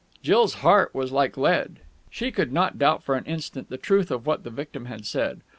Jill's heart was like lead. She could not doubt for an instant the truth of what the victim had said.